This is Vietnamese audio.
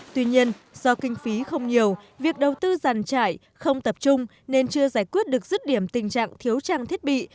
tuy nhiên do kinh phí không nhiều việc đầu tư giàn trải không tập trung nên chưa giải quyết được rứt điểm tình trạng thiếu trang thiết bị